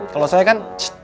kalau saya kan